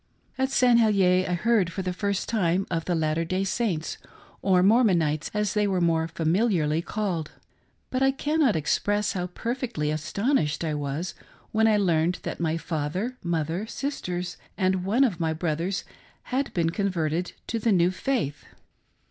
At St. Heliers I heard for the first time of the Latter day Saints, or Mormonites, as they were more familiarly called ; but I cannot express how perfectly astonished I was when I SERVANTS OF THE EVIL ONE. 41 learned that my father, mother, sisters, and one of my bro thers had been converted to the new faith.